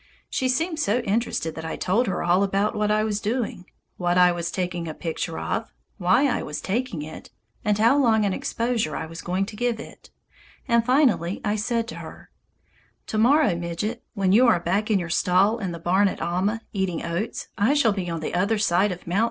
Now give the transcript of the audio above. She seemed so interested that I told her all about what I was doing, what I was taking a picture of, why I was taking it, and how long an exposure I was going to give it; and finally I said to her: "To morrow, Midget, when you are back in your stall in the barn at Alma, eating oats, I shall be on the other side of Mt.